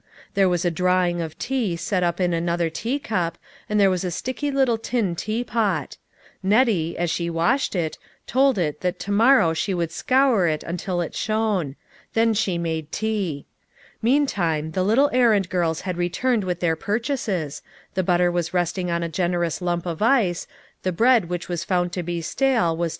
There was a drawing of tea set up in another teacup, and there was a sticky little tin teapot. Nettie, as she washed it, told it that to morrow she would scour it until it shone; then she made tea. Meantime the little errand girls had returned with their purchases, the butter was resting on a generous lump of ice, the bread which was found to be stale, was 50 LITTLE FISHEES : AND THEIB NETS.